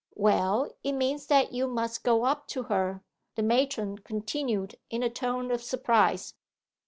'Well, it means that you must go up to her,' the matron continued, in a tone of surprise.